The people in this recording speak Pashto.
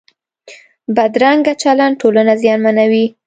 بدرنګه چلند ټولنه زیانمنوي